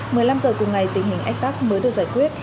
một mươi năm h cùng ngày tình hình ách tắc mới được giải quyết